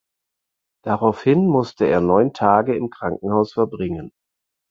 Daraufhin musste er neun Tage im Krankenhaus verbringen.